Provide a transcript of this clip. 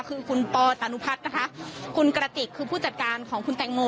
คือคุณปอตานุพัฒน์นะคะคุณกระติกคือผู้จัดการของคุณแตงโม